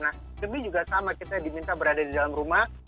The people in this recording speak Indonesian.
nah demi juga sama kita diminta berada di dalam rumah